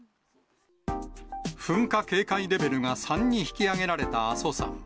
噴火警戒レベルが３に引き上げられた阿蘇山。